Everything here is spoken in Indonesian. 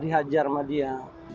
dihajar sama dia